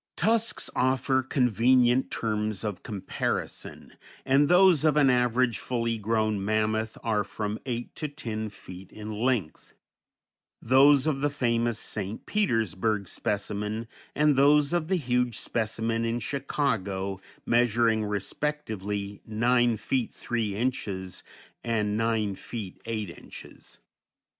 Tusks offer convenient terms of comparison, and those of an average fully grown mammoth are from eight to ten feet in length; those of the famous St. Petersburg specimen and those of the huge specimen in Chicago measuring respectively nine feet three inches, and nine feet eight inches.